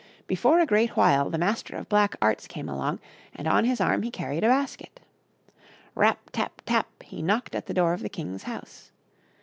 Be^ fore a great while the Master of Black Arts came along and on his arm he carried a basket. Rap ! tap ! tap ! he knocked at the door of the king's house.